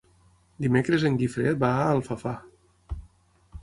Dimecres en Guifré va a Alfafar.